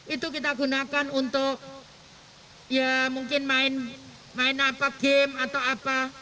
itu kita gunakan untuk ya mungkin main apa game atau apa